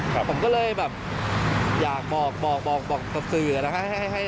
ผมก็เลยอยากบอกความสื่อนะครับ